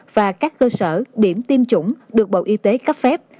và các cơ sở điểm tiêm chủng được bộ y tế cấp phép